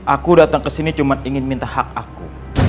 aku datang kesini cuma ingin minta hak aku